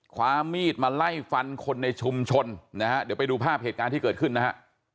ความมีดมาไล่ฟันคนในชุมชนนะฮะเดี๋ยวไปดูภาพเหตุการณ์ที่เกิดขึ้นนะฮะ